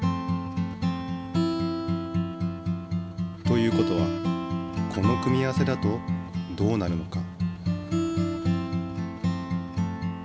という事はこの組み合わせだとどうなるのか。